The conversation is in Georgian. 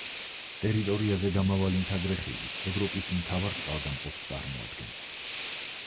ტერიტორიაზე გამავალი მთაგრეხილი ევროპის მთავარ წყალგამყოფს წარმოადგენს.